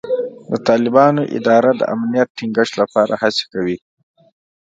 د طالبانو اداره د امنیت ټینګښت لپاره هڅې کوي.